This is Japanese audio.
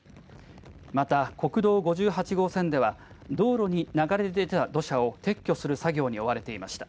また国道５８号線では道路に流れ出た土砂を撤去する作業に追われていました。